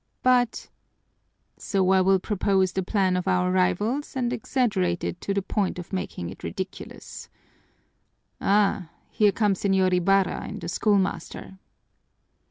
"But " "So I will propose the plan of our rivals and exaggerate it to the point of making it ridiculous. Ah, here come Señor Ibarra and the schoolmaster."